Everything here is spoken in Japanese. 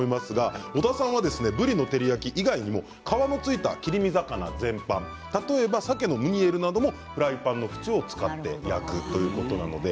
小田さんはぶりの照り焼き以外にも皮の付いた切り身魚全般例えば、さけのムニエルなどもフライパンの縁を使って焼くということです。